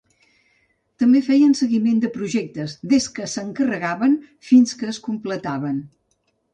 També feien seguiment de projectes, des que se n'encarregaven fins que es completaven.